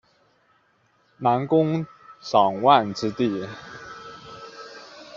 南宫长万之弟。